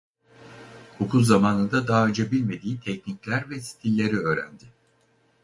Okul zamanında daha önce bilmediği teknikler ve stilleri öğrendi.